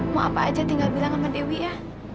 mau apa aja tinggal bilang sama dewi ya